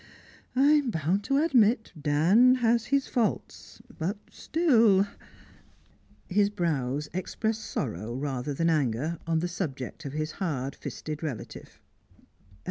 I'm bound to admit Dan has his faults, but still " His brows expressed sorrow rather than anger on the subject of his hard fisted relative.